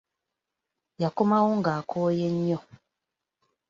Yakomawo ng'akooye nnyo.